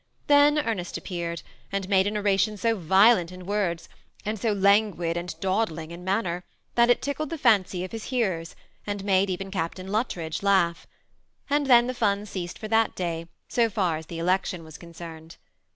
Then Ernest appeared, and made an oration so violent in woixls, and so languid and dawdling in manner, that it tickled the fancy of his hearers, and made even Captain Luttridge laugh. And then the fun ceased for that day, so far as the election was concerned.